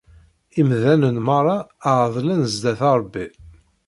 Imdanen merra ɛedlen zzat Rebbi.